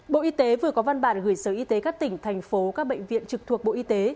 bộ y tế vừa có văn bản gửi sở y tế các tỉnh thành phố các bệnh viện trực thuộc bộ y tế